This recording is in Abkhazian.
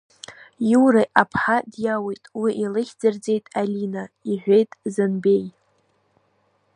Иура аԥҳа диауит, уи илыхьӡырҵеит Алина, — иҳәеит Занбеи…